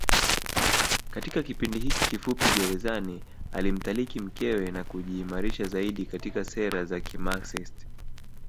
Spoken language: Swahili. Katika kipindi hiki kifupi gerezani alimtaliki mkewe na kujiimarisha zaidi katika sera za kimaxist